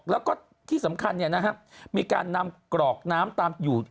แล้วก็ที่สำคัญมีการนำกรอกน้ำตามอยู่